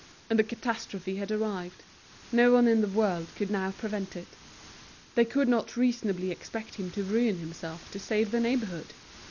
And the catastrophe had arrived; no one in the world could now prevent it. They could not reasonably expect him to ruin himself to save the neighborhood.